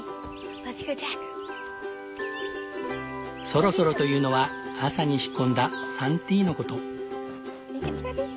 そろそろというのは朝に仕込んだサンティーのこと。